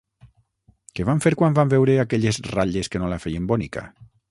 Què van fer quan van veure aquelles ratlles que no la feien bonica?